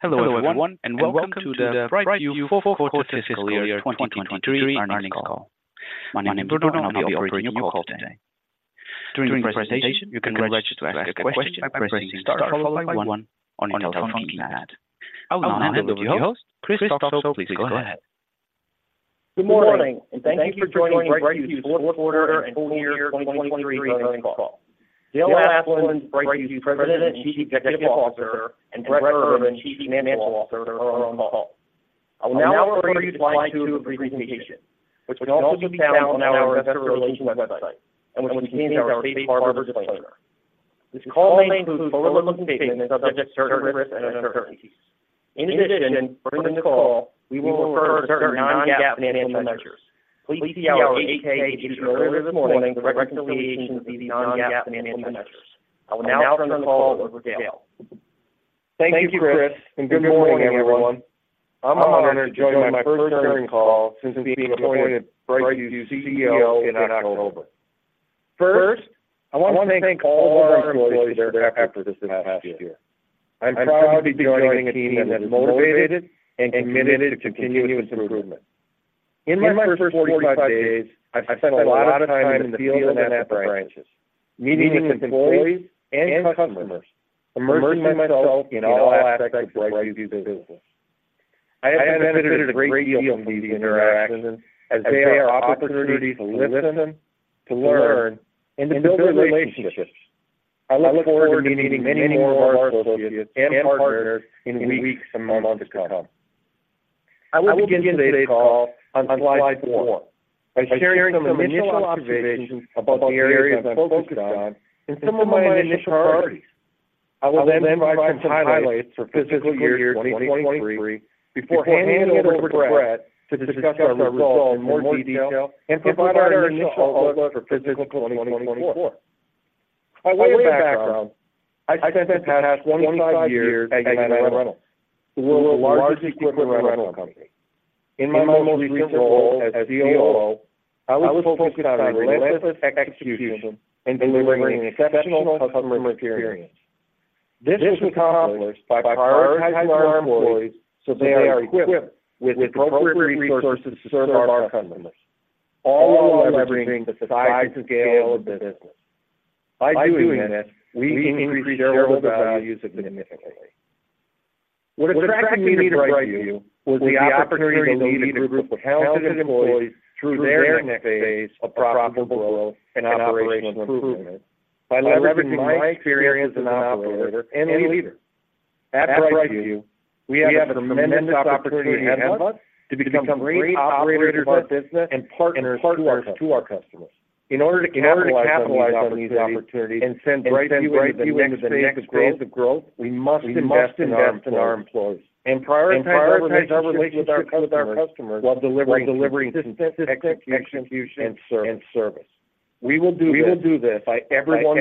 Hello, everyone, and welcome to the BrightView Q4 fiscal year 2023 earnings call. My name is Bruno, and I'll be operating your call today. During the presentation, you can press to ask a question by pressing star followed by one on your telephone keypad. I will now hand it over to your host, Chris Stoczko. Please go ahead. Good morning, and thank you for joining BrightView's Q4 and full year 2023 earnings call. Dale Asplund, BrightView's President and Chief Executive Officer, and Brett Urban, Chief Financial Officer, are on the call. I will now refer you to slide two of the presentation, which can also be found on our Investor Relations website, and which contains our safe harbor disclaimer. This call may include forward-looking statements subject to certain risks and uncertainties. In addition, during this call, we will refer to certain non-GAAP financial measures. Please see our 8-K issued earlier this morning the reconciliation of these non-GAAP financial measures. I will now turn the call over to Dale. Thank you, Chris, and good morning, everyone. I'm honored to join my first earnings call since being appointed BrightView's CEO in October. First, I want to thank all of our employees for their effort this past year. I'm proud to be joining a team that is motivated and committed to continuous improvement. In my first 45 days, I've spent a lot of time in the field and at branches, meeting with employees and customers, immersing myself in all aspects of BrightView's business. I have benefited a great deal from these interactions as they are opportunities to listen, to learn, and to build relationships. I look forward to meeting many more of our associates and partners in weeks and months to come. I will begin today's call on slide four by sharing some initial observations about the areas I'm focused on and some of my initial priorities. I will then provide some highlights for fiscal year 2023 before handing it over to Brett to discuss our results in more detail and provide our initial outlook for fiscal 2024. By way of background, I spent the past 25 years at United Rentals, the world's largest equipment rental company. In my most recent role as COO, I was focused on relentless execution and delivering an exceptional customer experience. This was accomplished by prioritizing our employees so they are equipped with appropriate resources to serve our customers, all while leveraging the size and scale of the business. By doing this, we increased shareholder value significantly. What attracted me to BrightView was the opportunity to lead a group of talented employees through their next phase of profitable growth and operational improvement by leveraging my experience as an operator and a leader. At BrightView, we have a tremendous opportunity ahead of us to become great operators of our business and partners to our customers. In order to capitalize on these opportunities and send BrightView into the next phase of growth, we must invest in our employees and prioritize our relationships with our customers while delivering consistent execution and service. We will do this by everyone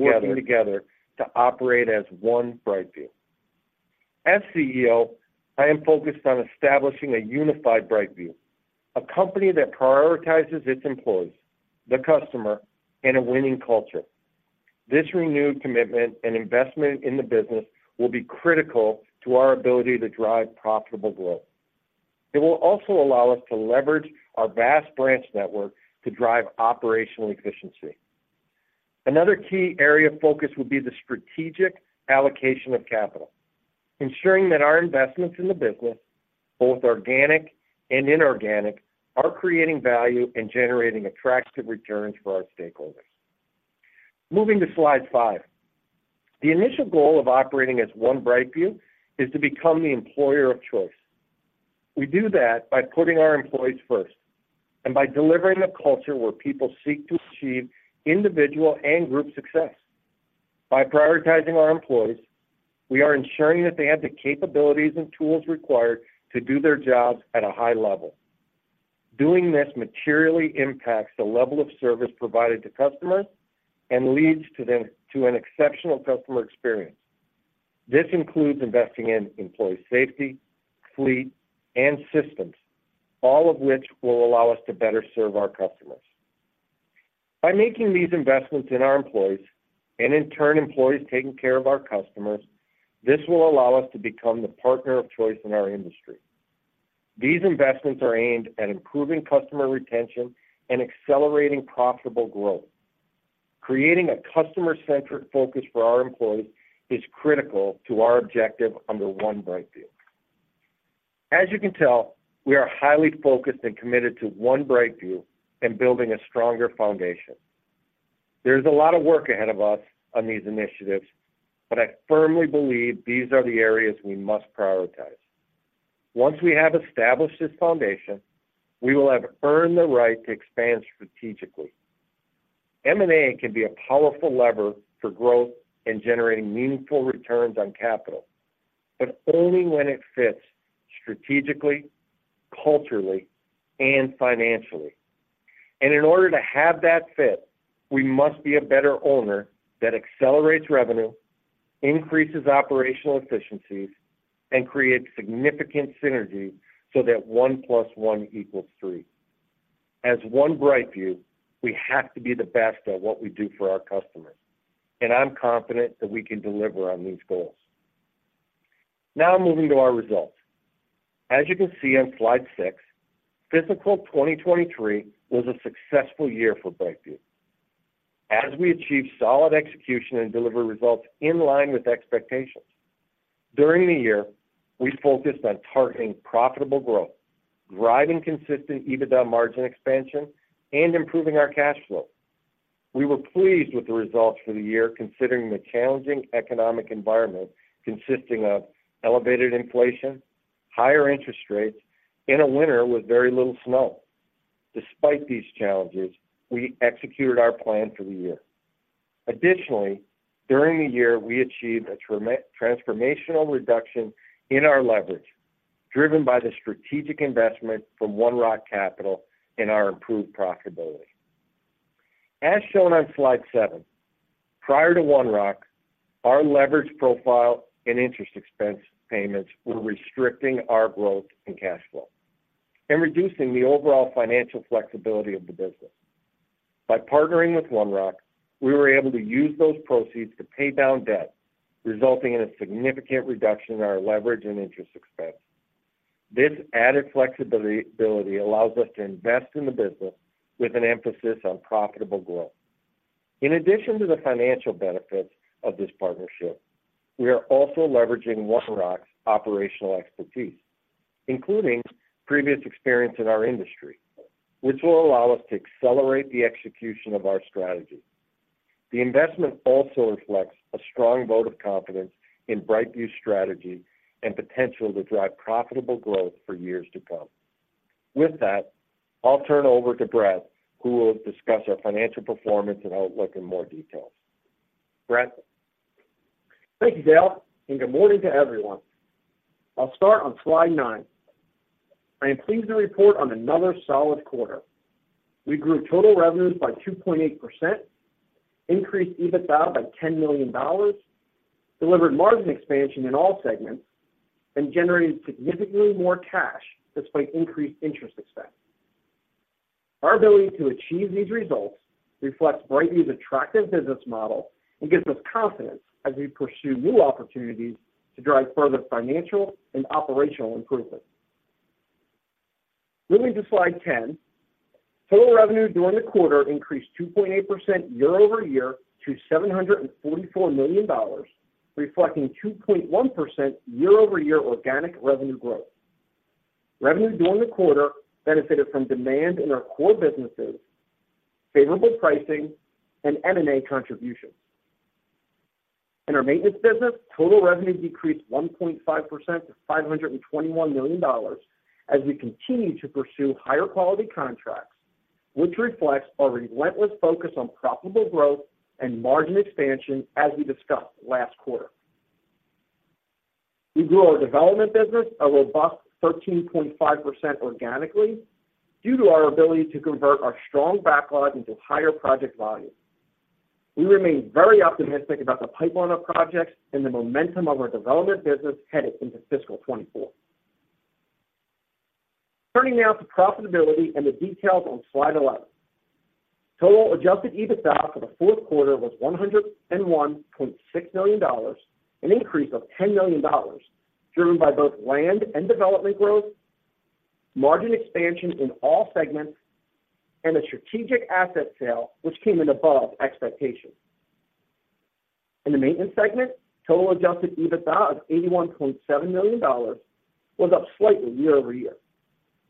working together to operate as One BrightView. As CEO, I am focused on establishing a unified BrightView, a company that prioritizes its employees, the customer, and a winning culture. This renewed commitment and investment in the business will be critical to our ability to drive profitable growth. It will also allow us to leverage our vast branch network to drive operational efficiency. Another key area of focus will be the strategic allocation of capital, ensuring that our investments in the business, both organic and inorganic, are creating value and generating attractive returns for our stakeholders. Moving to slide five. The initial goal of operating as One BrightView is to become the employer of choice. We do that by putting our employees first and by delivering a culture where people seek to achieve individual and group success. By prioritizing our employees, we are ensuring that they have the capabilities and tools required to do their jobs at a high level. Doing this materially impacts the level of service provided to customers and leads to an exceptional customer experience. This includes investing in employee safety, fleet, and systems, all of which will allow us to better serve our customers. By making these investments in our employees, and in turn, employees taking care of our customers, this will allow us to become the partner of choice in our industry. These investments are aimed at improving customer retention and accelerating profitable growth. Creating a customer-centric focus for our employees is critical to our objective under One BrightView. As you can tell, we are highly focused and committed to One BrightView and building a stronger foundation. There's a lot of work ahead of us on these initiatives, but I firmly believe these are the areas we must prioritize. Once we have established this foundation, we will have earned the right to expand strategically. M&A can be a powerful lever for growth and generating meaningful returns on capital, but only when it fits strategically, culturally, and financially. In order to have that fit, we must be a better owner that accelerates revenue, increases operational efficiencies, and creates significant synergy so that one plus one equals three. As One BrightView, we have to be the best at what we do for our customers, and I'm confident that we can deliver on these goals. Now, moving to our results. As you can see on slide six, fiscal 2023 was a successful year for BrightView. As we achieved solid execution and delivered results in line with expectations. During the year, we focused on targeting profitable growth, driving consistent EBITDA margin expansion, and improving our cash flow. We were pleased with the results for the year, considering the challenging economic environment, consisting of elevated inflation, higher interest rates, and a winter with very little snow. Despite these challenges, we executed our plan for the year. Additionally, during the year, we achieved a transformational reduction in our leverage, driven by the strategic investment from One Rock Capital and our improved profitability. As shown on slide seven, prior to One Rock, our leverage profile and interest expense payments were restricting our growth and cash flow and reducing the overall financial flexibility of the business. By partnering with One Rock, we were able to use those proceeds to pay down debt, resulting in a significant reduction in our leverage and interest expense. This added flexibility, ability allows us to invest in the business with an emphasis on profitable growth. In addition to the financial benefits of this partnership, we are also leveraging One Rock's operational expertise, including previous experience in our industry, which will allow us to accelerate the execution of our strategy. The investment also reflects a strong vote of confidence in BrightView's strategy and potential to drive profitable growth for years to come. With that, I'll turn it over to Brett, who will discuss our financial performance and outlook in more detail. Brett? Thank you, Dale, and good morning to everyone. I'll start on slide nine. I am pleased to report on another solid quarter. We grew total revenues by 2.8%, increased EBITDA by $10 million, delivered margin expansion in all segments, and generated significantly more cash despite an increase in interest expense. Our ability to achieve these results reflects BrightView's attractive business model and gives us confidence as we pursue new opportunities to drive further financial and operational improvement. Moving to slide 10. Total revenue during the quarter increased 2.8% year-over-year to $744 million, reflecting 2.1% year-over-year organic revenue growth. Revenue during the quarter benefited from demand in our core businesses, favorable pricing, and M&A contributions. In our maintenance business, total revenue decreased 1.5% to $521 million as we continue to pursue higher quality contracts, which reflects our relentless focus on profitable growth and margin expansion, as we discussed last quarter. We grew our development business a robust 13.5% organically due to our ability to convert our strong backlog into higher project volume. We remain very optimistic about the pipeline of projects and the momentum of our development business headed into fiscal 2024. Turning now to profitability and the details on slide 11. Total Adjusted EBITDA for the Q4 was $101.6 million, an increase of $10 million, driven by both land and development growth, margin expansion in all segments, and a strategic asset sale, which came in above expectations. In the maintenance segment, total Adjusted EBITDA of $81.7 million was up slightly year-over-year.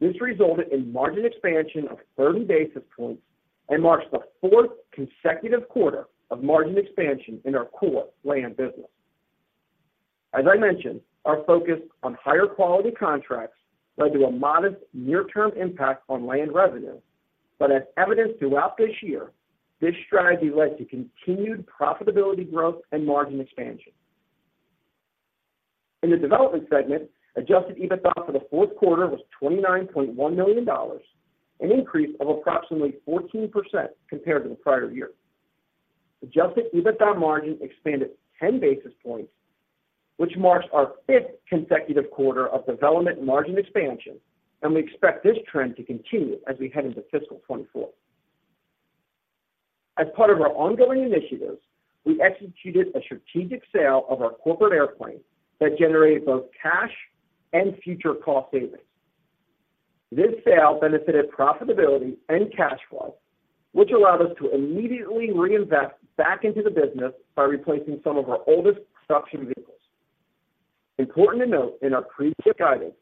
This resulted in margin expansion of 30 basis points and marked the fourth consecutive quarter of margin expansion in our core land business. As I mentioned, our focus on higher quality contracts led to a modest near-term impact on land revenue, but as evidenced throughout this year, this strategy led to continued profitability growth and margin expansion. In the development segment, Adjusted EBITDA for the Q4 was $29.1 million, an increase of approximately 14% compared to the prior year. Adjusted EBITDA margin expanded 10 basis points, which marks our fifth consecutive quarter of development margin expansion, and we expect this trend to continue as we head into fiscal 2024. As part of our ongoing initiatives, we executed a strategic sale of our corporate airplane that generated both cash and future cost savings. This sale benefited profitability and cash flow, which allowed us to immediately reinvest back into the business by replacing some of our oldest construction vehicles. Important to note, in our previous guidance,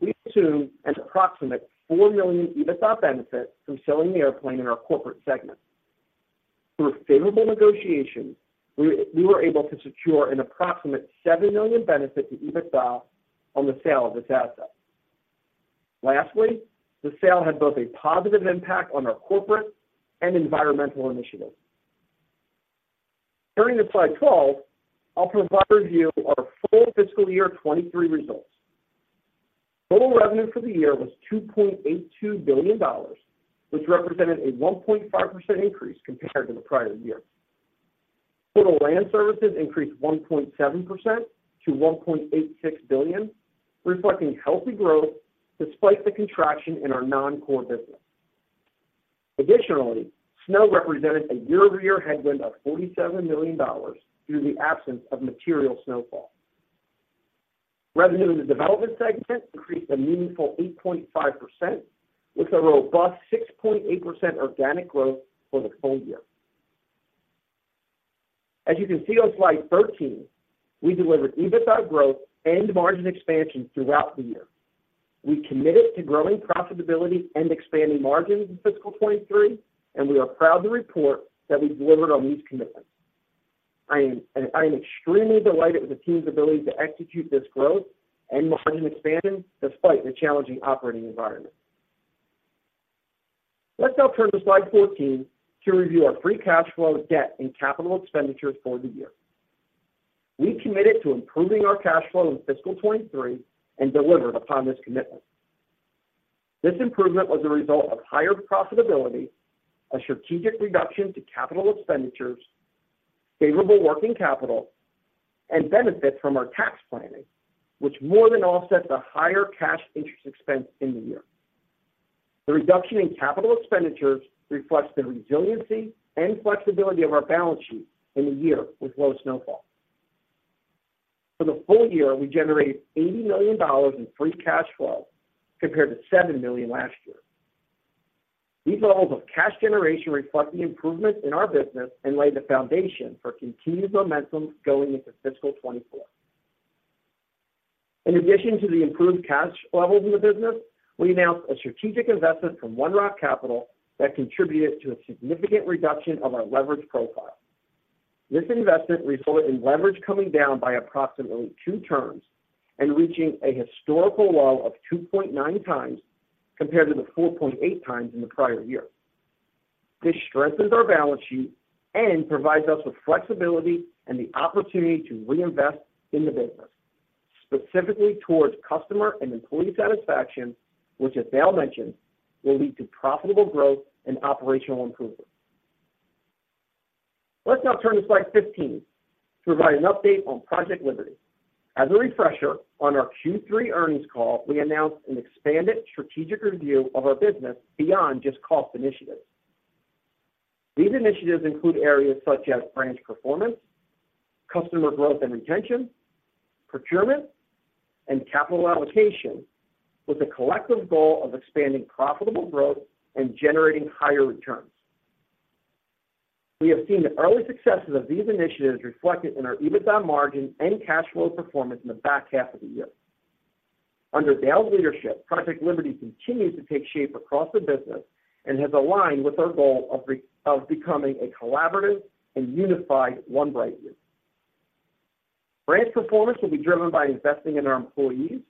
we assumed an approximate $4 million EBITDA benefit from selling the airplane in our corporate segment. Through a favorable negotiation, we were able to secure an approximate $7 million benefit to EBITDA on the sale of this asset. Lastly, the sale had both a positive impact on our corporate and environmental initiatives. Turning to slide 12, I'll provide a review of our full fiscal year 2023 results. Total revenue for the year was $2.82 billion, which represented a 1.5% increase compared to the prior year. Total land services increased 1.7% to $1.86 billion, reflecting healthy growth despite the contraction in our non-core business. Additionally, snow represented a year-over-year headwind of $47 million due to the absence of material snowfall. Revenue in the development segment increased a meaningful 8.5%, with a robust 6.8% organic growth for the full year. As you can see on slide 13, we delivered EBITDA growth and margin expansion throughout the year. We committed to growing profitability and expanding margins in fiscal 2023, and we are proud to report that we delivered on these commitments. I am extremely delighted with the team's ability to execute this growth and margin expansion despite the challenging operating environment. Let's now turn to slide 14 to review our free cash flow, debt, and capital expenditures for the year. We committed to improving our cash flow in fiscal 2023 and delivered upon this commitment. This improvement was a result of higher profitability, a strategic reduction to capital expenditures, favorable working capital, and benefit from our tax planning, which more than offset the higher cash interest expense in the year. The reduction in capital expenditures reflects the resiliency and flexibility of our balance sheet in a year with low snowfall. For the full year, we generated $80 million in free cash flow compared to $7 million last year. These levels of cash generation reflect the improvements in our business and lay the foundation for continued momentum going into fiscal 2024. In addition to the improved cash levels in the business, we announced a strategic investment from One Rock Capital that contributed to a significant reduction of our leverage profile. This investment resulted in leverage coming down by approximately two turns and reaching a historical low of 2.9x, compared to the 4.8x in the prior year. This strengthens our balance sheet and provides us with flexibility and the opportunity to reinvest in the business, specifically towards customer and employee satisfaction, which, as Dale mentioned, will lead to profitable growth and operational improvement. Let's now turn to slide 15 to provide an update on Project Liberty. As a refresher, on our Q3 earnings call, we announced an expanded strategic review of our business beyond just cost initiatives. These initiatives include areas such as branch performance, customer growth and retention, procurement, and capital allocation, with a collective goal of expanding profitable growth and generating higher returns. We have seen the early successes of these initiatives reflected in our EBITDA margin and cash flow performance in the back half of the year. Under Dale's leadership, Project Liberty continues to take shape across the business and has aligned with our goal of becoming a collaborative and unified One BrightView. Branch performance will be driven by investing in our employees,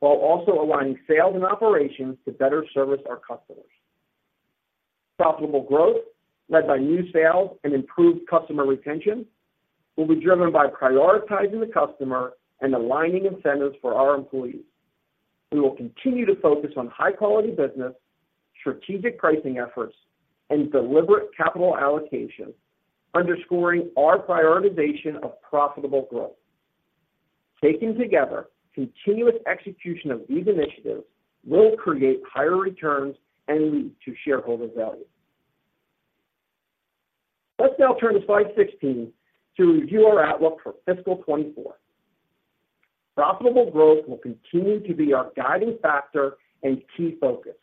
while also aligning sales and operations to better service our customers. Profitable growth, led by new sales and improved customer retention, will be driven by prioritizing the customer and aligning incentives for our employees. We will continue to focus on high-quality business, strategic pricing efforts, and deliberate capital allocation, underscoring our prioritization of profitable growth. Taken together, continuous execution of these initiatives will create higher returns and lead to shareholder value. Let's now turn to slide 16 to review our outlook for fiscal 2024. Profitable growth will continue to be our guiding factor and key focus.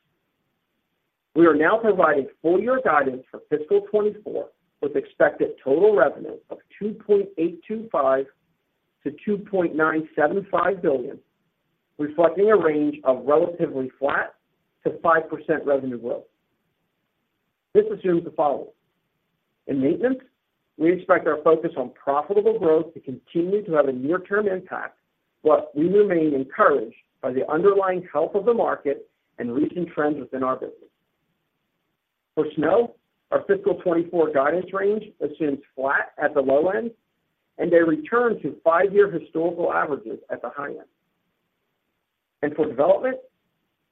We are now providing full year guidance for fiscal 2024, with expected total revenue of $2.825 billion-$2.975 billion, reflecting a range of relatively flat to 5% revenue growth. This assumes the following: In maintenance, we expect our focus on profitable growth to continue to have a near-term impact, but we remain encouraged by the underlying health of the market and recent trends within our business. For snow, our fiscal 2024 guidance range assumes flat at the low end, and a return to 5-year historical averages at the high end. For development,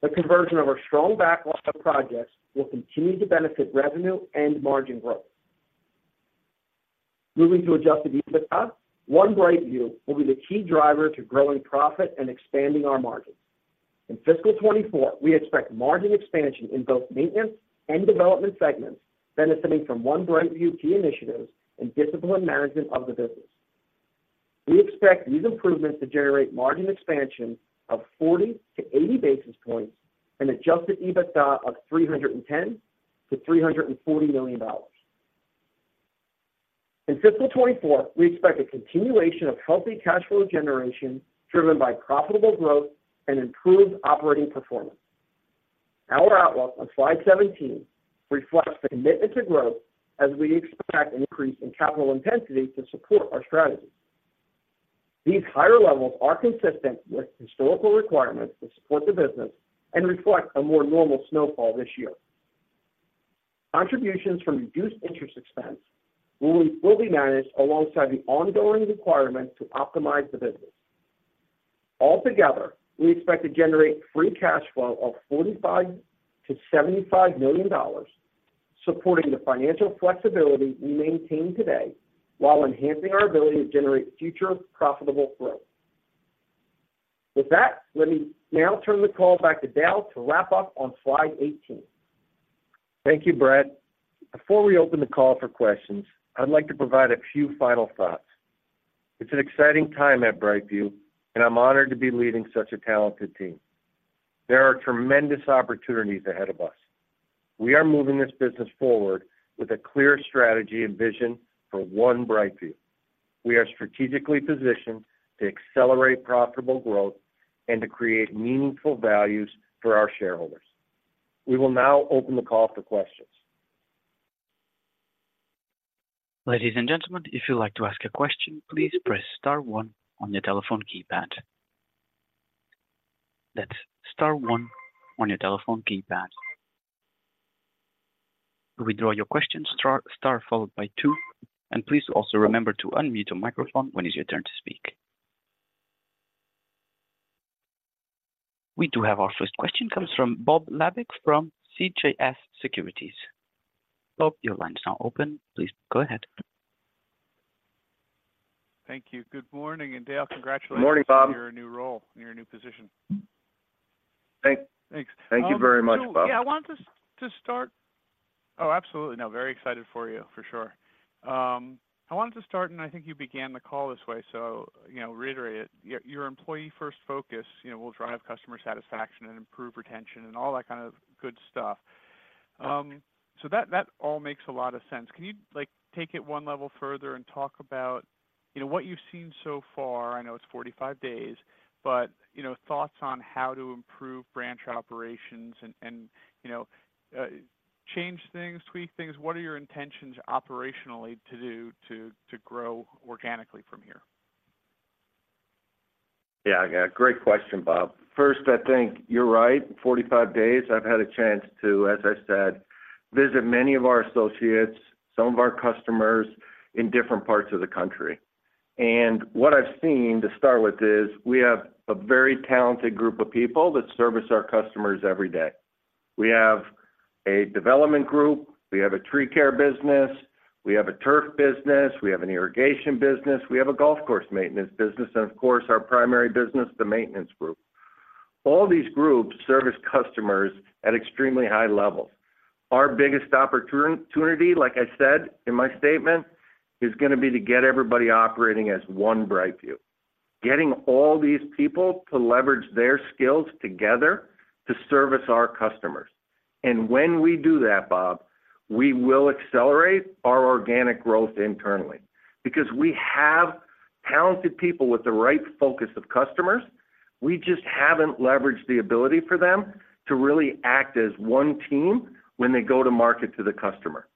the conversion of our strong backlog of projects will continue to benefit revenue and margin growth. Moving to Adjusted EBITDA, One BrightView will be the key driver to growing profit and expanding our margins. In fiscal 2024, we expect margin expansion in both maintenance and development segments, benefiting from One BrightView key initiatives and disciplined management of the business. We expect these improvements to generate margin expansion of 40-80 basis points and Adjusted EBITDA of $310 million-$340 million. In fiscal 2024, we expect a continuation of healthy cash flow generation, driven by profitable growth and improved operating performance. Our outlook on slide 17 reflects the commitment to growth as we expect an increase in capital intensity to support our strategy. These higher levels are consistent with historical requirements to support the business and reflect a more normal snowfall this year. Contributions from reduced interest expense will be managed alongside the ongoing requirement to optimize the business.... Altogether, we expect to generate Free Cash Flow of $45 million-$75 million, supporting the financial flexibility we maintain today while enhancing our ability to generate future profitable growth. With that, let me now turn the call back to Dale to wrap up on slide 18. Thank you, Brett. Before we open the call for questions, I'd like to provide a few final thoughts. It's an exciting time at BrightView, and I'm honored to be leading such a talented team. There are tremendous opportunities ahead of us. We are moving this business forward with a clear strategy and vision for One BrightView. We are strategically positioned to accelerate profitable growth and to create meaningful value for our shareholders. We will now open the call for questions. Ladies and gentlemen, if you'd like to ask a question, please press star one on your telephone keypad. That's star one on your telephone keypad. To withdraw your question, star, star followed by two, and please also remember to unmute your microphone when it's your turn to speak. We do have our first question. Comes from Bob Labick from CJS Securities. Bob, your line is now open. Please go ahead. Thank you. Good morning, and Dale, congratulations Good morning, Bob. on your new role, on your new position. Thanks. Thanks. Thank you very much, Bob. Yeah, I wanted to start. Oh, absolutely, no, very excited for you, for sure. I wanted to start, and I think you began the call this way, so, you know, reiterate it. Your employee-first focus, you know, will drive customer satisfaction and improve retention and all that kind of good stuff. So that all makes a lot of sense. Can you, like, take it one level further and talk about, you know, what you've seen so far? I know it's 45 days, but, you know, thoughts on how to improve branch operations and, you know, change things, tweak things. What are your intentions operationally to do to grow organically from here? Yeah, yeah. Great question, Bob. First, I think you're right. 45 days, I've had a chance to, as I said, visit many of our associates, some of our customers in different parts of the country. And what I've seen, to start with, is we have a very talented group of people that service our customers every day. We have a development group, we have a tree care business, we have a turf business, we have an irrigation business, we have a golf course maintenance business, and of course, our primary business, the maintenance group. All these groups service customers at extremely high levels. Our biggest opportunity, like I said in my statement, is gonna be to get everybody operating as One BrightView, getting all these people to leverage their skills together to service our customers. And when we do that, Bob, we will accelerate our organic growth internally because we have talented people with the right focus of customers. We just haven't leveraged the ability for them to really act as one team when they go to market to the customer.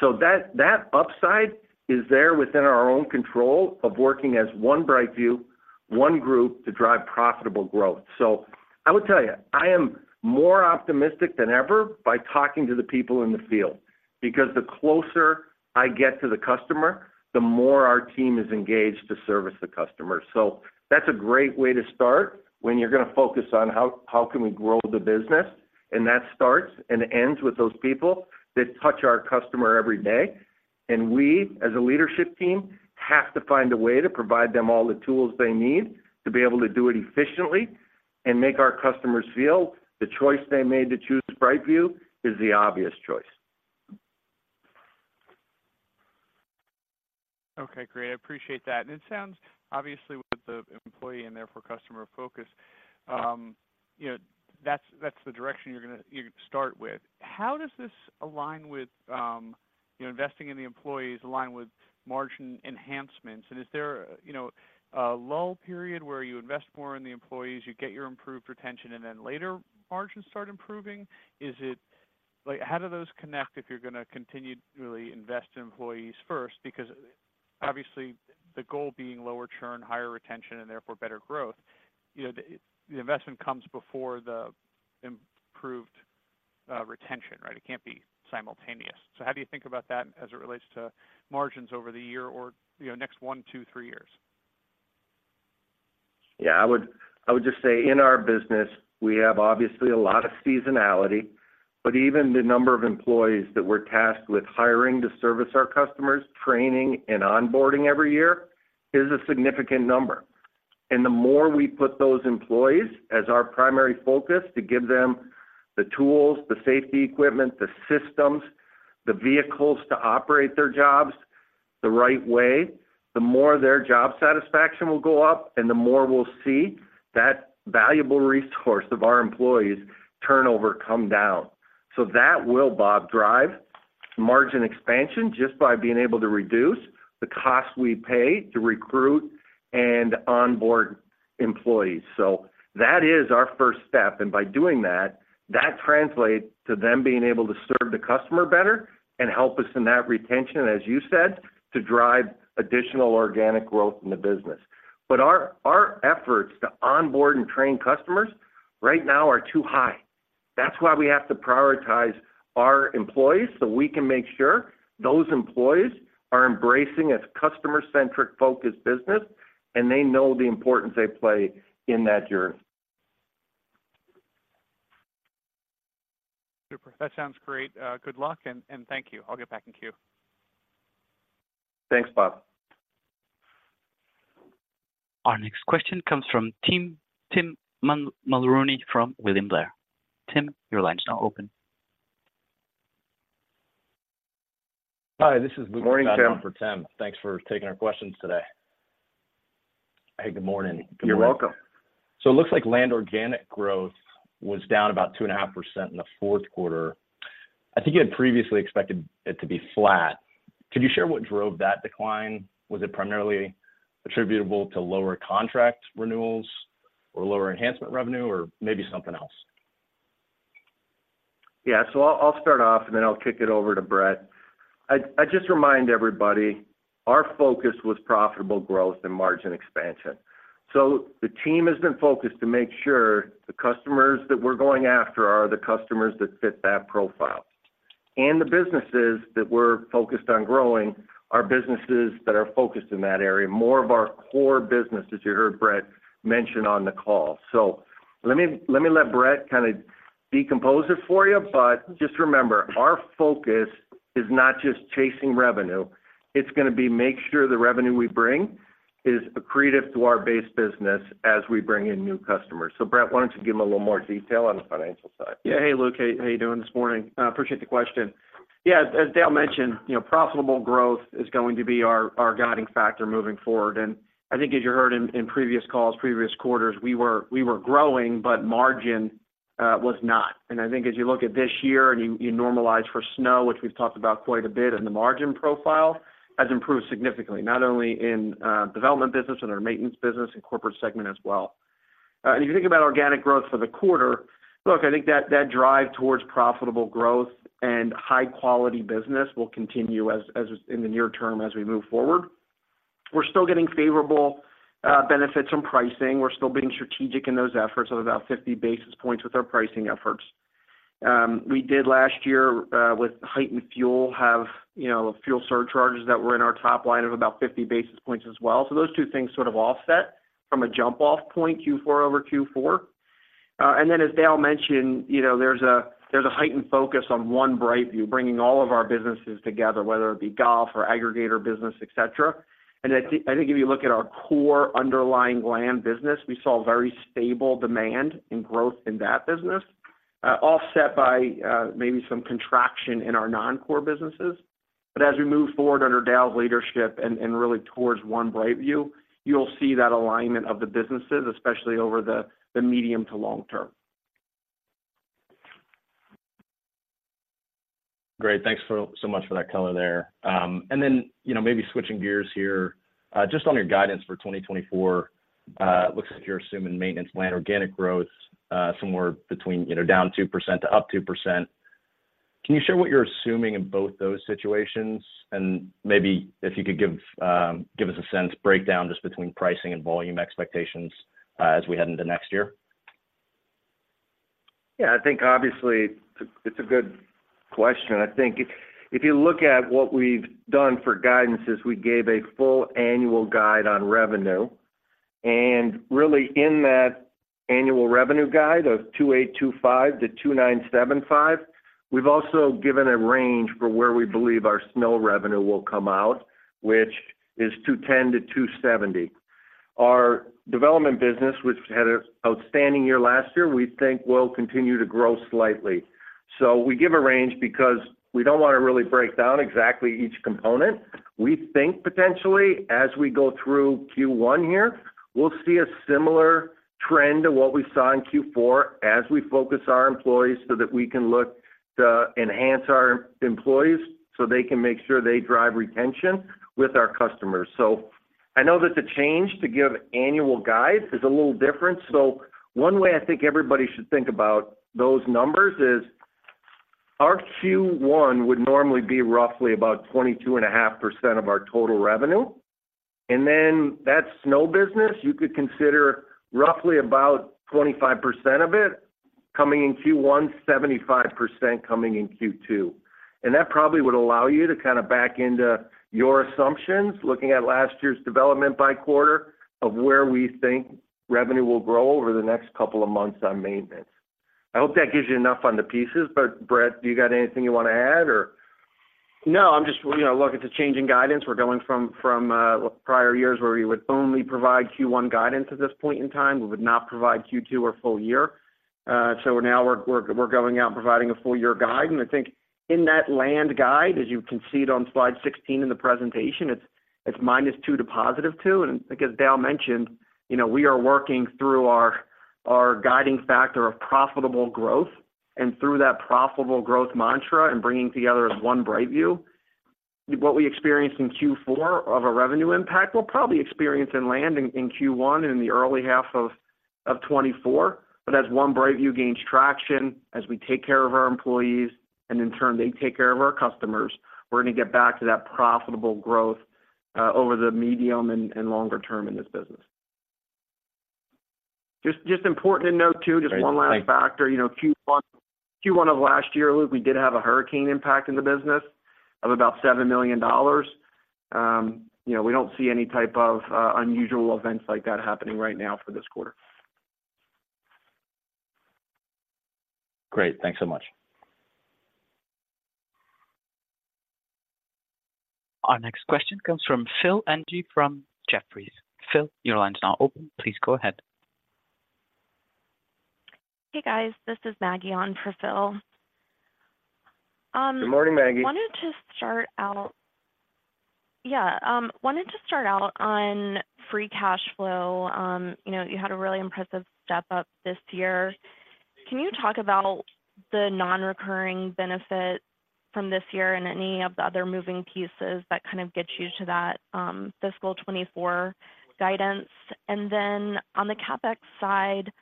So that, that upside is there within our own control of working as One BrightView, one group to drive profitable growth. So I will tell you, I am more optimistic than ever by talking to the people in the field, because the closer I get to the customer, the more our team is engaged to service the customer. So that's a great way to start when you're gonna focus on how, how can we grow the business, and that starts and ends with those people that touch our customer every day. We, as a leadership team, have to find a way to provide them all the tools they need to be able to do it efficiently and make our customers feel the choice they made to choose BrightView is the obvious choice. Okay, great. I appreciate that. And it sounds obviously, with the employee and therefore customer focus, you know, that's, that's the direction you're gonna you start with. How does this align with, you know, investing in the employees, align with margin enhancements? And is there, you know, a lull period where you invest more in the employees, you get your improved retention, and then later, margins start improving? Is it like, how do those connect if you're gonna continue to really invest in employees first? Because obviously, the goal being lower churn, higher retention, and therefore better growth, you know, the, the investment comes before the improved retention, right? It can't be simultaneous. So how do you think about that as it relates to margins over the year or, you know, next one, two, three years? Yeah, I would, I would just say in our business, we have obviously a lot of seasonality, but even the number of employees that we're tasked with hiring to service our customers, training and onboarding every year, is a significant number. And the more we put those employees as our primary focus, to give them the tools, the safety equipment, the systems, the vehicles to operate their jobs the right way, the more their job satisfaction will go up and the more we'll see that valuable resource of our employees' turnover come down. So that will, Bob, drive margin expansion just by being able to reduce the costs we pay to recruit and onboard employees. So that is our first step, and by doing that, that translates to them being able to serve the customer better and help us in that retention, as you said, to drive additional organic growth in the business. But our, our efforts to onboard and train customers right now are too high. That's why we have to prioritize our employees, so we can make sure those employees are embracing a customer-centric focused business, and they know the importance they play in that journey. Super. That sounds great. Good luck, and thank you. I'll get back in queue. Thanks, Bob. Our next question comes from Tim Mulrooney from William Blair. Tim, your line's now open. Hi, this is Luke- Morning, Tim. For Tim. Thanks for taking our questions today. Hey, good morning. You're welcome. It looks like land organic growth was down about 2.5% in the Q4. I think you had previously expected it to be flat. Could you share what drove that decline? Was it primarily attributable to lower contract renewals or lower enhancement revenue, or maybe something else? Yeah, so I'll, I'll start off, and then I'll kick it over to Brett. I'd-- I just remind everybody, our focus was profitable growth and margin expansion. So the team has been focused to make sure the customers that we're going after are the customers that fit that profile. And the businesses that we're focused on growing are businesses that are focused in that area, more of our core businesses you heard Brett mention on the call. So let me, let me let Brett kind of decompose it for you, but just remember, our focus is not just chasing revenue, it's gonna be make sure the revenue we bring is accretive to our base business as we bring in new customers. So, Brett, why don't you give them a little more detail on the financial side? Yeah. Hey, Luke. Hey, how are you doing this morning? I appreciate the question. Yeah, as Dale mentioned, you know, profitable growth is going to be our, our guiding factor moving forward. And I think as you heard in, in previous calls, previous quarters, we were, we were growing, but margin was not. And I think as you look at this year, and you, you normalize for snow, which we've talked about quite a bit, and the margin profile has improved significantly, not only in development business and our maintenance business, and corporate segment as well. And if you think about organic growth for the quarter, look, I think that, that drive towards profitable growth and high-quality business will continue as, as in the near term as we move forward. We're still getting favorable benefits from pricing. We're still being strategic in those efforts of about 50 basis points with our pricing efforts. We did last year with heightened fuel have, you know, fuel surcharges that were in our top line of about 50 basis points as well. So those two things sort of offset from a jump-off point, Q4-over-Q4. And then, as Dale mentioned, you know, there's a, there's a heightened focus on One BrightView, bringing all of our businesses together, whether it be golf or aggregator business, et cetera. And I think, I think if you look at our core underlying land business, we saw very stable demand and growth in that business, offset by maybe some contraction in our non-core businesses. As we move forward under Dale's leadership and really toward One BrightView, you'll see that alignment of the businesses, especially over the medium to long term. Great. Thanks so, so much for that color there. And then, you know, maybe switching gears here, just on your guidance for 2024, it looks like you're assuming maintenance landscape organic growth, somewhere between, you know, down 2% to up 2%. Can you share what you're assuming in both those situations? And maybe if you could give, give us a sense, breakdown just between pricing and volume expectations, as we head into next year. Yeah, I think obviously, it's a good question. I think if you look at what we've done for guidance, we gave a full annual guide on revenue, and really in that annual revenue guide of $2,825 million-$2,975 million, we've also given a range for where we believe our snow revenue will come out, which is $210 million-$270 million. Our development business, which had an outstanding year last year, we think will continue to grow slightly. So we give a range because we don't want to really break down exactly each component. We think potentially as we go through Q1 here, we'll see a similar trend to what we saw in Q4 as we focus our employees, so that we can look to enhance our employees, so they can make sure they drive retention with our customers. So I know that the change to giving an annual guide is a little different. So one way I think everybody should think about those numbers is, our Q1 would normally be roughly about 22.5% of our total revenue, and then that snow business, you could consider roughly about 25% of it coming in Q1, 75% coming in Q2. And that probably would allow you to kind of back into your assumptions, looking at last year's development by quarter, of where we think revenue will grow over the next couple of months on maintenance. I hope that gives you enough on the pieces, but Brett, do you got anything you want to add or? No, I'm just, you know, look, it's a change in guidance. We're going from prior years where we would only provide Q1 guidance at this point in time. We would not provide Q2 or full year. So now we're going out and providing a full year guide. And I think in that land guide, as you can see it on slide 16 in the presentation, it's -2 to +2. And like as Dale mentioned, you know, we are working through our guiding factor of profitable growth and through that profitable growth mantra and bringing together as One BrightView. What we experienced in Q4 of a revenue impact, we'll probably experience in landing in Q1 in the early half of 2024. But as One BrightView gains traction, as we take care of our employees, and in turn, they take care of our customers, we're gonna get back to that profitable growth over the medium and longer term in this business. Just important to note, too, just one last factor. You know, Q1 of last year, Luke, we did have a hurricane impact in the business of about $7 million. You know, we don't see any type of unusual events like that happening right now for this quarter. Great. Thanks so much. Our next question comes from Phil Ng from Jefferies. Phil, your line is now open. Please go ahead. Hey, guys, this is Maggie on for Phil. Good morning, Maggie. Wanted to start out on free cash flow. You know, you had a really impressive step up this year. Can you talk about the non-recurring benefit from this year and any of the other moving pieces that kind of gets you to that fiscal 2024 guidance? And then on the CapEx side,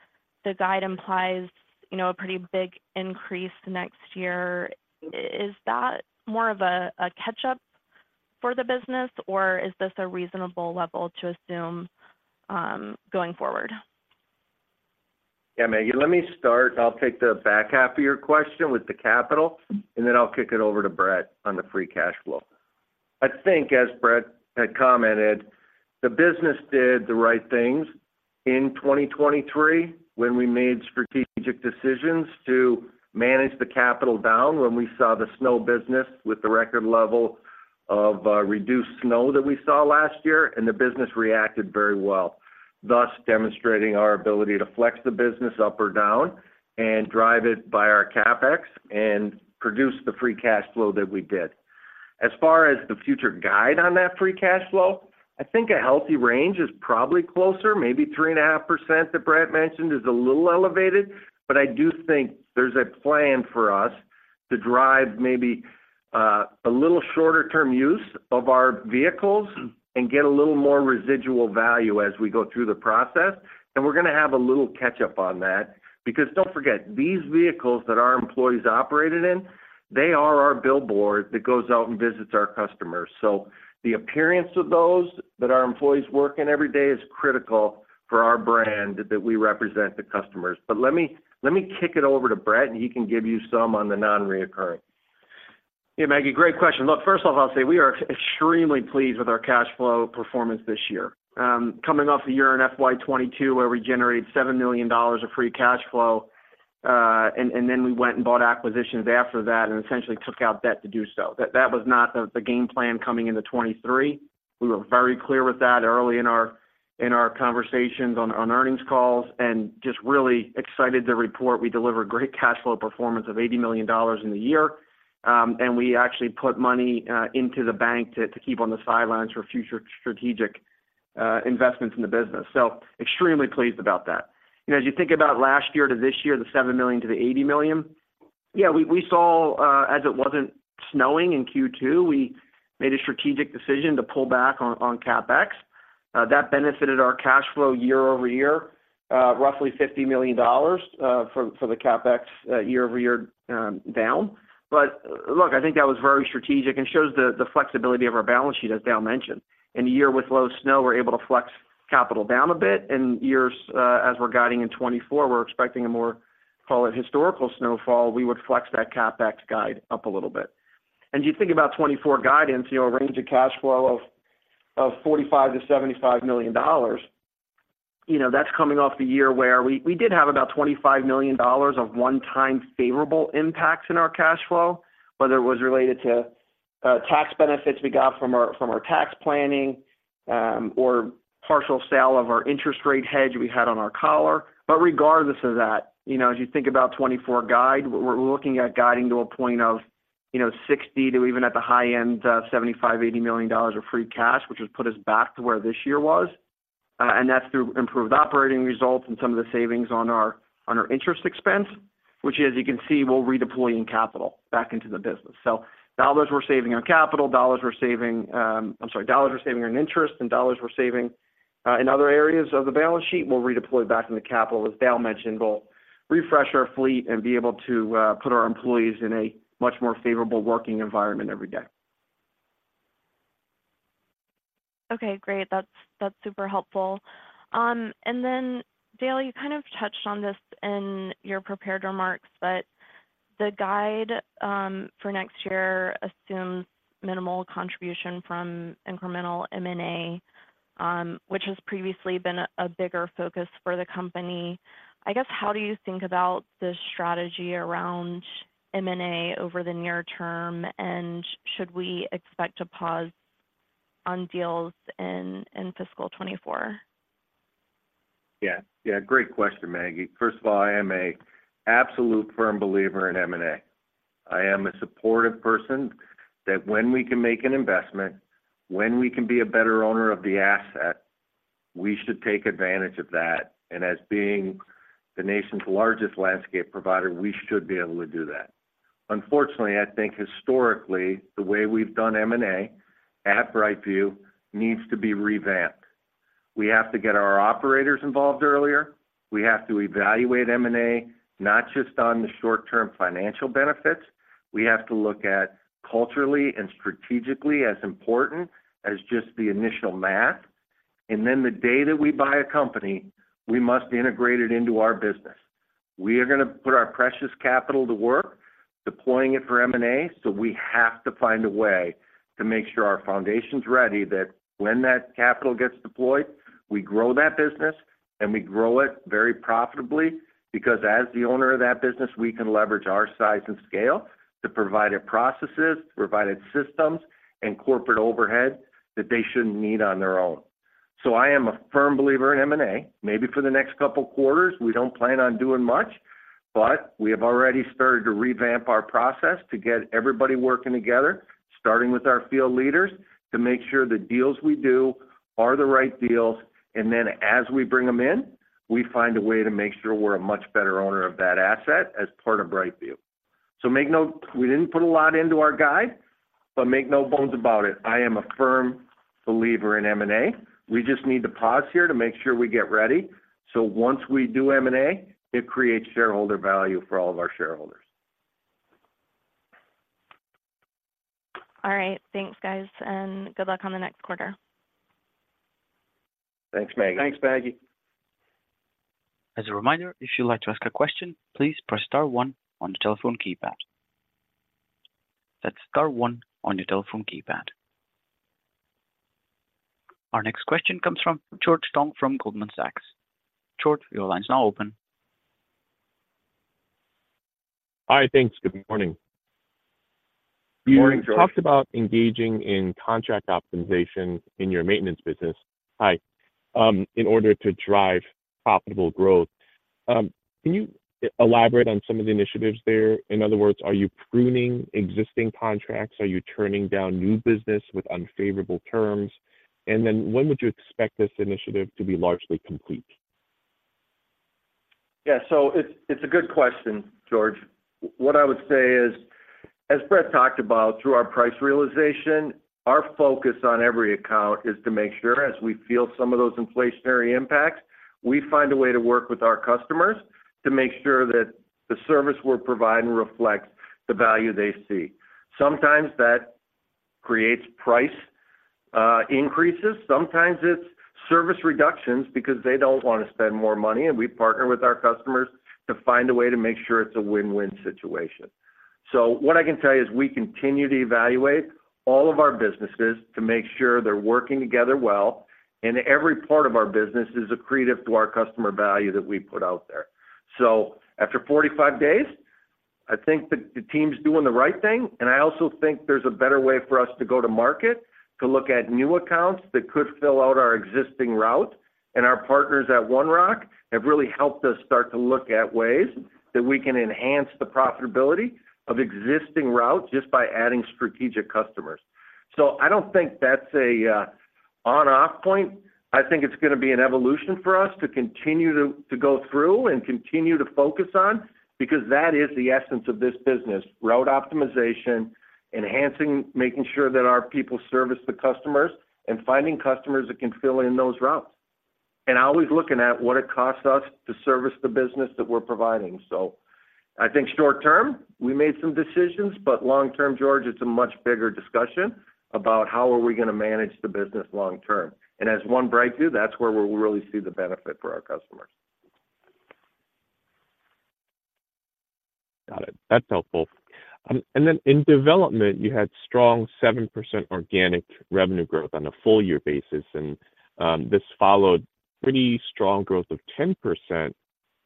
the guide implies, you know, a pretty big increase next year. Is that more of a catch-up for the business, or is this a reasonable level to assume going forward? Yeah, Maggie, let me start. I'll take the back half of your question with the capital, and then I'll kick it over to Brett on the free cash flow. I think, as Brett had commented, the business did the right things in 2023 when we made strategic decisions to manage the capital down, when we saw the snow business with the record level of reduced snow that we saw last year, and the business reacted very well, thus demonstrating our ability to flex the business up or down and drive it by our CapEx and produce the free cash flow that we did. As far as the future guide on that free cash flow, I think a healthy range is probably closer. Maybe 3.5% that Brett mentioned is a little elevated, but I do think there's a plan for us to drive maybe a little shorter term use of our vehicles and get a little more residual value as we go through the process. And we're gonna have a little catch-up on that, because don't forget, these vehicles that our employees operated in, they are our billboard that goes out and visits our customers. So the appearance of those that our employees work in every day is critical for our brand that we represent the customers. But let me, let me kick it over to Brett, and he can give you some on the non-recurring. Yeah, Maggie, great question. Look, first of all, I'll say we are extremely pleased with our cash flow performance this year. Coming off the year in FY 2022, where we generated $7 million of free cash flow, and then we went and bought acquisitions after that and essentially took out debt to do so. That was not the game plan coming into 2023. We were very clear with that early in our conversations on earnings calls, and just really excited to report we delivered great cash flow performance of $80 million in the year. And we actually put money into the bank to keep on the sidelines for future strategic investments in the business. So extremely pleased about that. You know, as you think about last year to this year, the $7 million to the $80 million, yeah, we saw, as it wasn't snowing in Q2, we made a strategic decision to pull back on CapEx. That benefited our cash flow year-over-year, roughly $50 million, for the CapEx year-over-year down. But look, I think that was very strategic and shows the flexibility of our balance sheet, as Dale mentioned. In a year with low snow, we're able to flex capital down a bit, and years, as we're guiding in 2024, we're expecting a more, call it, historical snowfall, we would flex that CapEx guide up a little bit. You think about 2024 guidance, you know, a range of cash flow of $45 million-$75 million, you know, that's coming off the year where we did have about $25 million of one-time favorable impacts in our cash flow, whether it was related to tax benefits we got from our tax planning, or partial sale of our interest rate hedge we had on our collar. But regardless of that, you know, as you think about 2024 guide, we're looking at guiding to a point of, you know, $60 million to even at the high end $75 million-$80 million of free cash, which would put us back to where this year was. That's through improved operating results and some of the savings on our interest expense, which, as you can see, we're redeploying capital back into the business. So dollars we're saving on capital, dollars we're saving. I'm sorry, dollars we're saving on interest and dollars we're saving in other areas of the balance sheet, we'll redeploy back in the capital. As Dale mentioned, we'll refresh our fleet and be able to put our employees in a much more favorable working environment every day. Okay, great. That's, that's super helpful. And then, Dale, you kind of touched on this in your prepared remarks, but the guide for next year assumes minimal contribution from incremental M&A, which has previously been a bigger focus for the company. I guess, how do you think about the strategy around M&A over the near term? And should we expect a pause on deals in fiscal 2024? Yeah. Yeah, great question, Maggie. First of all, I am a absolute firm believer in M&A. I am a supportive person that when we can make an investment, when we can be a better owner of the asset, we should take advantage of that. And as being the nation's largest landscape provider, we should be able to do that. Unfortunately, I think historically, the way we've done M&A at BrightView needs to be revamped. We have to get our operators involved earlier. We have to evaluate M&A, not just on the short-term financial benefits,... We have to look at culturally and strategically as important as just the initial math. And then the day that we buy a company, we must integrate it into our business. We are going to put our precious capital to work, deploying it for M&A, so we have to find a way to make sure our foundation's ready, that when that capital gets deployed, we grow that business and we grow it very profitably, because as the owner of that business, we can leverage our size and scale to provide it processes, provide it systems, and corporate overhead that they shouldn't need on their own. So I am a firm believer in M&A. Maybe for the next couple of quarters, we don't plan on doing much, but we have already started to revamp our process to get everybody working together, starting with our field leaders, to make sure the deals we do are the right deals. And then as we bring them in, we find a way to make sure we're a much better owner of that asset as part of BrightView. So make no- we didn't put a lot into our guide, but make no bones about it, I am a firm believer in M&A. We just need to pause here to make sure we get ready, so once we do M&A, it creates shareholder value for all of our shareholders. All right. Thanks, guys, and good luck on the next quarter. Thanks, Maggie. Thanks, Maggie. As a reminder, if you'd like to ask a question, please press star one on the telephone keypad. That's star one on your telephone keypad. Our next question comes from George Tong from Goldman Sachs. George, your line is now open. Hi, thanks. Good morning. Good morning, George. You talked about engaging in contract optimization in your maintenance business in order to drive profitable growth. Can you elaborate on some of the initiatives there? In other words, are you pruning existing contracts? Are you turning down new business with unfavorable terms? And then when would you expect this initiative to be largely complete? Yeah, so it's, it's a good question, George. What I would say is, as Brett talked about through our price realization, our focus on every account is to make sure as we feel some of those inflationary impacts, we find a way to work with our customers to make sure that the service we're providing reflects the value they see. Sometimes that creates price increases, sometimes it's service reductions because they don't want to spend more money, and we partner with our customers to find a way to make sure it's a win-win situation. So what I can tell you is we continue to evaluate all of our businesses to make sure they're working together well, and every part of our business is accretive to our customer value that we put out there. So after 45 days, I think the team's doing the right thing, and I also think there's a better way for us to go to market to look at new accounts that could fill out our existing route. And our partners at One Rock have really helped us start to look at ways that we can enhance the profitability of existing routes just by adding strategic customers. So I don't think that's a on/off point. I think it's going to be an evolution for us to continue to go through and continue to focus on, because that is the essence of this business: route optimization, enhancing, making sure that our people service the customers, and finding customers that can fill in those routes. And always looking at what it costs us to service the business that we're providing. I think short term, we made some decisions, but long term, George, it's a much bigger discussion about how are we going to manage the business long term. As One BrightView, that's where we'll really see the benefit for our customers. Got it. That's helpful. And then in development, you had strong 7% organic revenue growth on a full year basis, and this followed pretty strong growth of 10%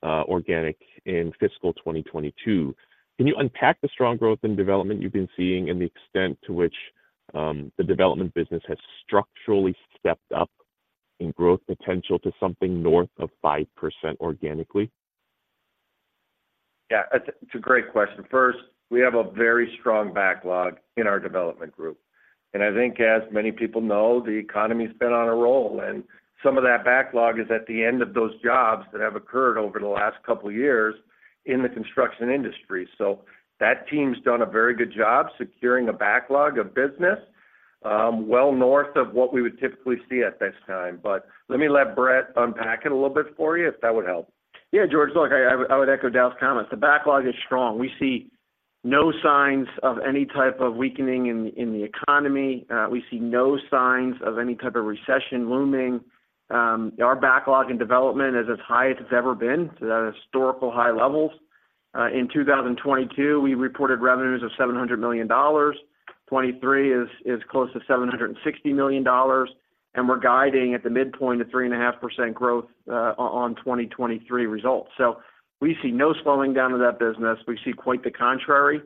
organic in fiscal 2022. Can you unpack the strong growth in development you've been seeing and the extent to which the development business has structurally stepped up in growth potential to something north of 5% organically? Yeah, it's a great question. First, we have a very strong backlog in our development group, and I think as many people know, the economy's been on a roll, and some of that backlog is at the end of those jobs that have occurred over the last couple of years in the construction industry. So that team's done a very good job securing a backlog of business, well north of what we would typically see at this time. But let me let Brett unpack it a little bit for you, if that would help. Yeah, George, look, I would echo Dale's comments. The backlog is strong. We see no signs of any type of weakening in the economy. We see no signs of any type of recession looming. Our backlog in development is as high as it's ever been, to the historical high levels. In 2022, we reported revenues of $700 million. 2023 is close to $760 million, and we're guiding at the midpoint of 3.5% growth on 2023 results. So we see no slowing down of that business. We see quite the contrary.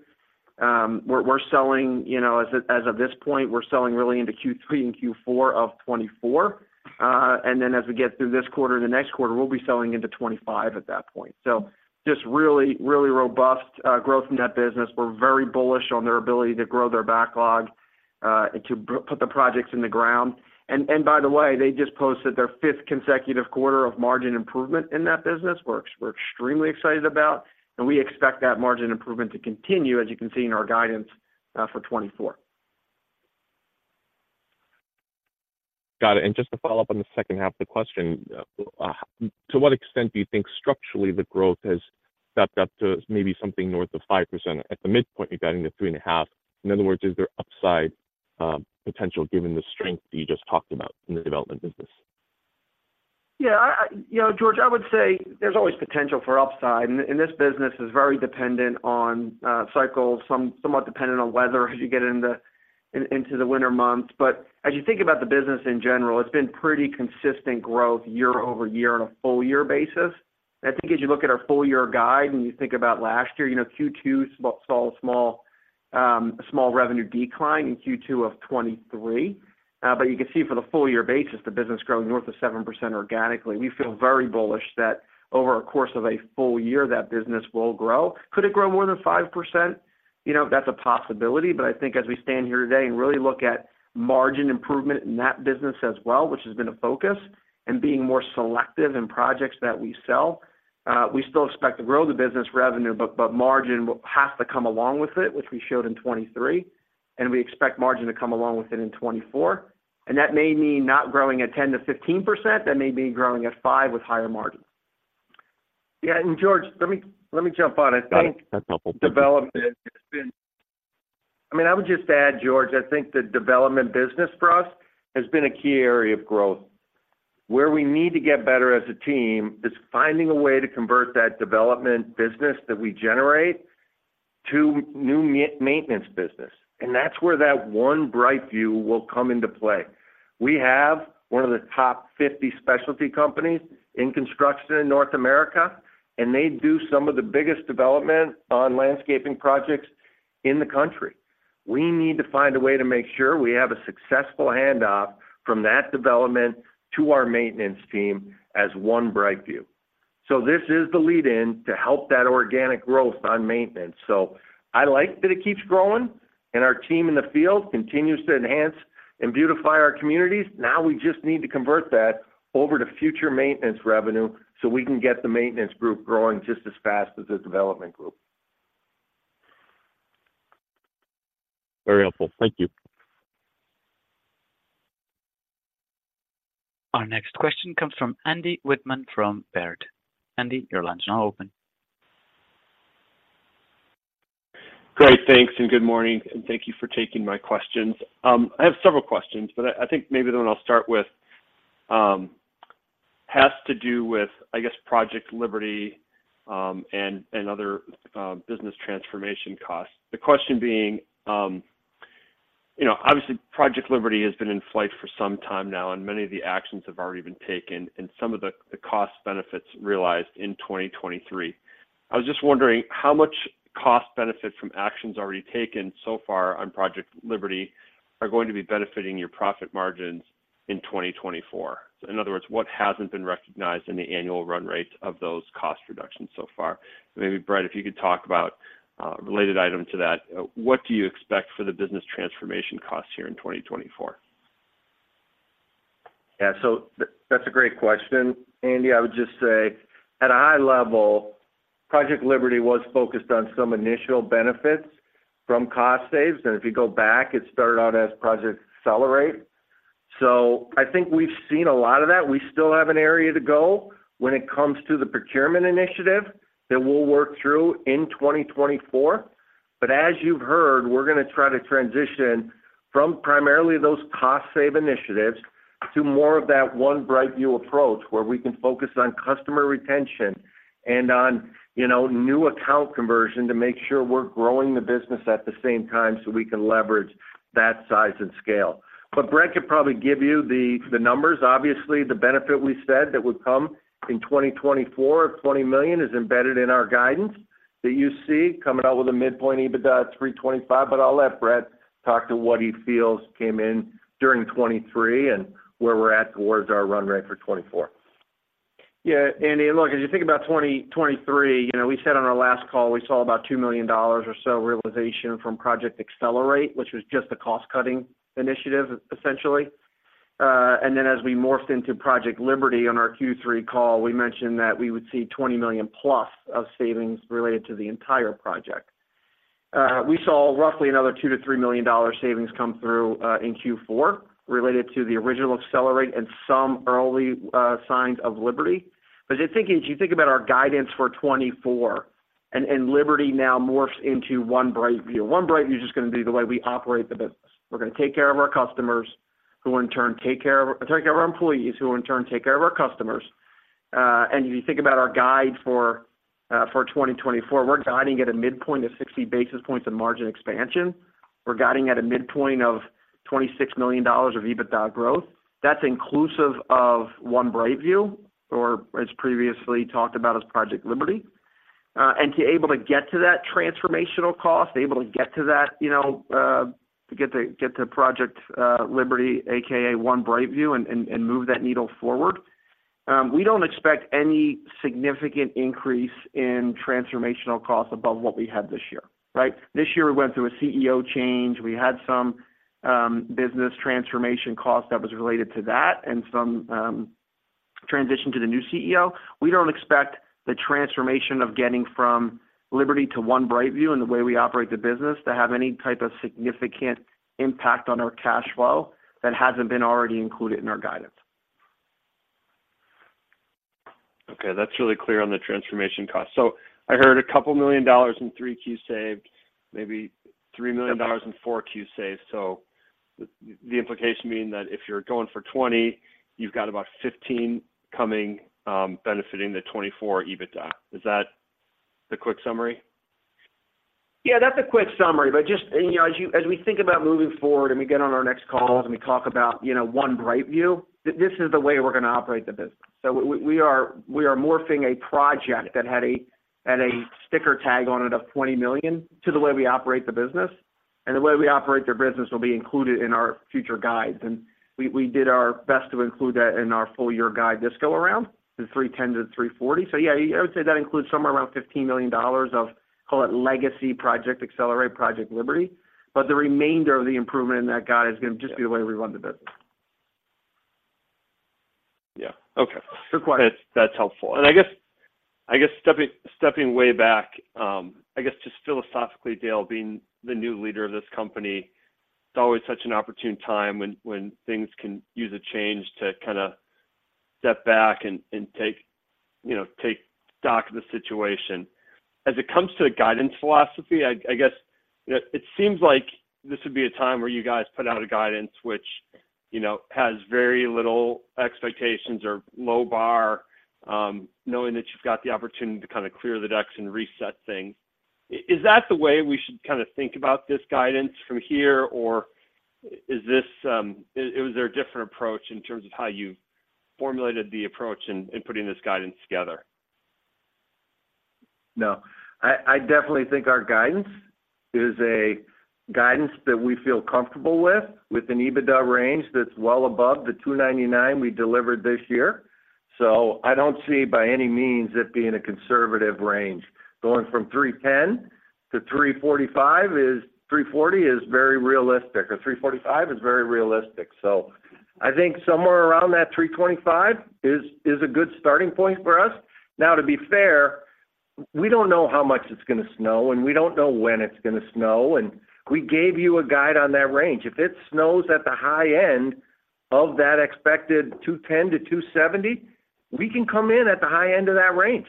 We're selling, you know, as of this point, we're selling really into Q3 and Q4 of 2024. and then as we get through this quarter and the next quarter, we'll be selling into 2025 at that point. So just really, really robust growth in that business. We're very bullish on their ability to grow their backlog and to put the projects in the ground. And by the way, they just posted their fifth consecutive quarter of margin improvement in that business. We're extremely excited about, and we expect that margin improvement to continue, as you can see in our guidance for 2024. Got it. And just to follow up on the second half of the question, to what extent do you think structurally the growth has stepped up to maybe something north of 5%? At the midpoint, you're guiding to 3.5%. In other words, is there upside potential given the strength that you just talked about in the development business? Yeah, I you know, George, I would say there's always potential for upside, and this business is very dependent on cycles, somewhat dependent on weather as you get into the winter months. But as you think about the business in general, it's been pretty consistent growth year-over-year on a full year basis. I think as you look at our full year guide, and you think about last year, you know, Q2 saw a small revenue decline in Q2 of 2023. But you can see for the full year basis, the business growing north of 7% organically. We feel very bullish that over a course of a full year, that business will grow. Could it grow more than 5%? You know, that's a possibility, but I think as we stand here today and really look at margin improvement in that business as well, which has been a focus, and being more selective in projects that we sell, we still expect to grow the business revenue, but margin has to come along with it, which we showed in 2023, and we expect margin to come along with it in 2024. And that may mean not growing at 10%-15%, that may mean growing at 5% with higher margins. Yeah, and George, let me, let me jump on. Got it. I think development has been—I mean, I would just add, George, I think the development business for us has been a key area of growth. Where we need to get better as a team, is finding a way to convert that development business that we generate to new maintenance business, and that's where that One BrightView will come into play. We have one of the top 50 specialty companies in construction in North America, and they do some of the biggest development of landscaping projects in the country. We need to find a way to make sure we have a successful handoff from that development to our maintenance team as One BrightView. So this is the lead-in to help that organic growth on maintenance. So I like that it keeps growing, and our team in the field continues to enhance and beautify our communities. Now we just need to convert that over to future maintenance revenue, so we can get the maintenance group growing just as fast as the development group. Very helpful. Thank you. Our next question comes from Andy Wittmann from Baird. Andy, your line is now open. Great, thanks, and good morning, and thank you for taking my questions. I have several questions, but I think maybe the one I'll start with has to do with, I guess, Project Liberty and other business transformation costs. The question being, you know, obviously, Project Liberty has been in flight for some time now, and many of the actions have already been taken, and some of the cost benefits realized in 2023. I was just wondering how much cost benefit from actions already taken so far on Project Liberty are going to be benefiting your profit margins in 2024? So in other words, what hasn't been recognized in the annual run rates of those cost reductions so far? Maybe, Brett, if you could talk about related item to that, what do you expect for the business transformation costs here in 2024? Yeah, so that's a great question, Andy. I would just say, at a high level, Project Liberty was focused on some initial benefits from cost saves, and if you go back, it started out as Project Accelerate. So I think we've seen a lot of that. We still have an area to go when it comes to the procurement initiative that we'll work through in 2024. But as you've heard, we're gonna try to transition from primarily those cost save initiatives to more of that One BrightView approach, where we can focus on customer retention and on, you know, new account conversion to make sure we're growing the business at the same time, so we can leverage that size and scale. But Brett could probably give you the, the numbers. Obviously, the benefit we said that would come in 2024 of $20 million is embedded in our guidance that you see coming out with a midpoint EBITDA of $325 million. But I'll let Brett talk to what he feels came in during 2023 and where we're at towards our run rate for 2024. Yeah, Andy, look, as you think about 2023, you know, we said on our last call, we saw about $2 million or so realization from Project Accelerate, which was just a cost-cutting initiative, essentially. And then as we morphed into Project Liberty on our Q3 call, we mentioned that we would see $20 million+ of savings related to the entire project. We saw roughly another $2 million-$3 million dollar savings come through, in Q4, related to the original Accelerate and some early signs of Liberty. But as you think about our guidance for 2024 and Liberty now morphs into One BrightView. One BrightView is just gonna be the way we operate the business. We're gonna take care of our customers, who in turn take care of our employees, who in turn take care of our customers. And if you think about our guide for 2024, we're guiding at a midpoint of 60 basis points of margin expansion. We're guiding at a midpoint of $26 million of EBITDA growth. That's inclusive of One BrightView, or as previously talked about as Project Liberty. And to be able to get to that transformational cost, you know, to get to Project Liberty, AKA One BrightView, and move that needle forward, we don't expect any significant increase in transformational costs above what we had this year, right? This year, we went through a CEO change. We had some business transformation costs that was related to that and some... transition to the new CEO, we don't expect the transformation of getting from Liberty to One BrightView and the way we operate the business to have any type of significant impact on our cash flow that hasn't been already included in our guidance. Okay, that's really clear on the transformation cost. So I heard a couple $ million in 3Q saved, maybe $3 million in 4Q saved. So the, the implication mean that if you're going for 20, you've got about 15 coming, benefiting the 2024 EBITDA. Is that the quick summary? Yeah, that's a quick summary, but you know, as we think about moving forward and we get on our next call and we talk about, you know, One BrightView, this is the way we're gonna operate the business. So we are morphing a project that had a sticker tag on it of $20 million to the way we operate the business, and the way we operate the business will be included in our future guides. And we did our best to include that in our full year guide this go around, the $310 million-$340 million. So yeah, I would say that includes somewhere around $15 million of, call it, legacy Project Accelerate, Project Liberty, but the remainder of the improvement in that guide is gonna just be the way we run the business. Yeah. Okay. Sure, quite. That's helpful. And I guess stepping way back, I guess just philosophically, Dale, being the new leader of this company, it's always such an opportune time when things can use a change to kinda step back and take, you know, take stock of the situation. As it comes to the guidance philosophy, I guess, you know, it seems like this would be a time where you guys put out a guidance which, you know, has very little expectations or low bar, knowing that you've got the opportunity to kinda clear the decks and reset things. Is that the way we should kinda think about this guidance from here, or is this, is there a different approach in terms of how you formulated the approach in putting this guidance together? No. I, I definitely think our guidance is a guidance that we feel comfortable with, with an EBITDA range that's well above the 299 we delivered this year. So I don't see by any means it being a conservative range. Going from 310 to 345 is, 340 is very realistic, or 345 is very realistic. So I think somewhere around that 325 is, is a good starting point for us. Now, to be fair, we don't know how much it's gonna snow, and we don't know when it's gonna snow, and we gave you a guide on that range. If it snows at the high end of that expected 210 to 270, we can come in at the high end of that range.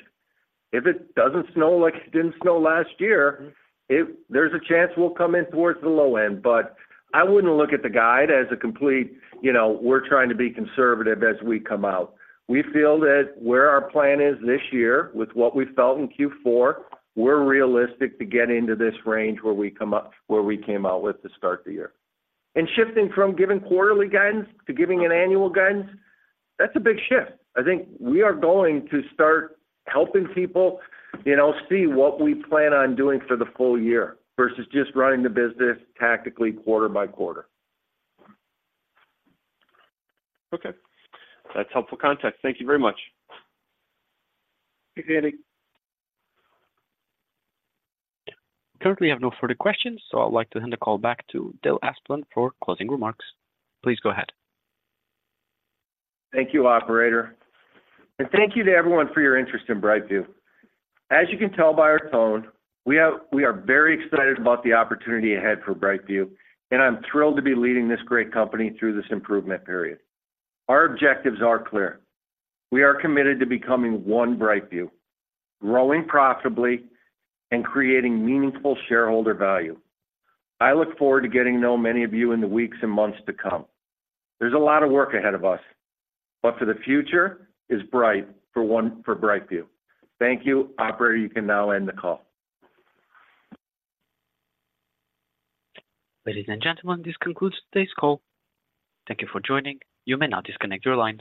If it doesn't snow like it didn't snow last year, there's a chance we'll come in towards the low end. But I wouldn't look at the guide as a complete, you know, we're trying to be conservative as we come out. We feel that where our plan is this year, with what we felt in Q4, we're realistic to get into this range where we came out with to start the year. And shifting from giving quarterly guidance to giving an annual guidance, that's a big shift. I think we are going to start helping people, you know, see what we plan on doing for the full year versus just running the business tactically quarter-by-quarter. Okay. That's helpful context. Thank you very much. Thanks, Andy. Currently, I have no further questions, so I'd like to hand the call back to Dale Asplund for closing remarks. Please go ahead. Thank you, operator, and thank you to everyone for your interest in BrightView. As you can tell by our tone, we are very excited about the opportunity ahead for BrightView, and I'm thrilled to be leading this great company through this improvement period. Our objectives are clear: We are committed to becoming One BrightView, growing profitably and creating meaningful shareholder value. I look forward to getting to know many of you in the weeks and months to come. There's a lot of work ahead of us, but, the future is bright for BrightView. Thank you. Operator, you can now end the call. Ladies and gentlemen, this concludes today's call. Thank you for joining. You may now disconnect your lines.